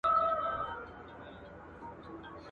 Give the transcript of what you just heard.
د مرور برخه د کونه ور ده.